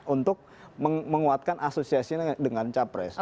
untuk menguatkan asosiasinya dengan capres